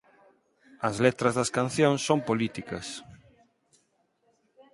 As letras das cancións son políticas.